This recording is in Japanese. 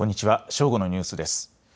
正午のニュースです。